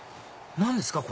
何ですか？